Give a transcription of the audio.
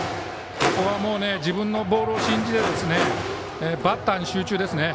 ここは自分のボールを信じてバッターに集中ですね。